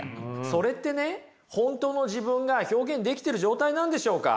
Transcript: それってね本当の自分が表現できてる状態なんでしょうか？